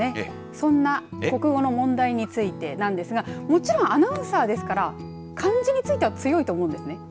そんな国語の問題についてなんですがもちろんアナウンサーですから漢字については強いと思うんですね。